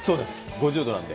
５０度なんで。